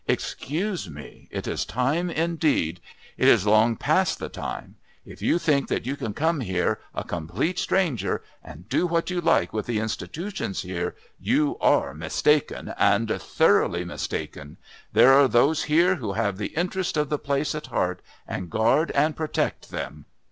"Excuse me. It is time indeed. It is long past the time. If you think that you can come here, a complete stranger, and do what you like with the institutions here, you are mistaken, and thoroughly mistaken. There are those here who have the interests of the place at heart and guard and protect them.